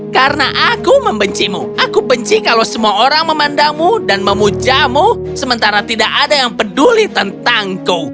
karena aku membencimu aku benci kalau semua orang memandamu dan memujamu sementara tidak ada yang peduli tentangku